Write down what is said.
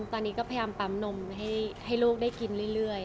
ตอนนี้ก็พยายามปั๊มนมให้ลูกได้กินเรื่อย